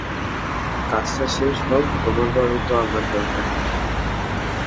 কাজটা শেষ হোক, তোমাকে হয়ত আমার দরকার হবে।